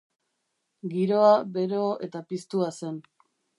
Giroa bero eta piztua zen.